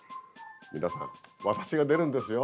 皆さん私が出るんですよ。